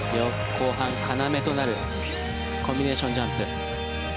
後半、要となるコンビネーションジャンプ。